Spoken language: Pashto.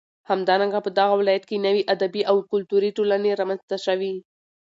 همدارنگه په دغه ولايت كې نوې ادبي او كلتوري ټولنې رامنځ ته شوې.